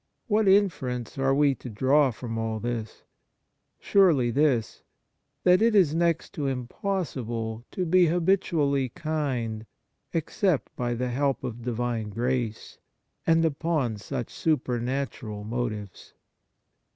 What inference are we to draw from all this ? Surely this : That it is next to impossible to be habitually kind, except by the help of Divine grace and upon supernatural motives.